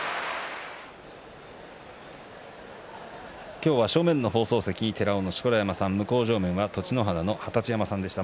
今日は正面の放送席に寺尾の錣山さん、向正面は栃乃花の二十山さんでした。